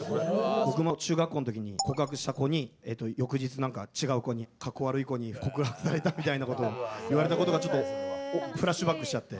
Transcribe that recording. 僕も中学校の時に告白した子に翌日違う子にカッコ悪い子に告白されたみたいなことを言われたことがちょっとフラッシュバックしちゃって。